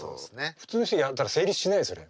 普通の人やったら成立しないですよね。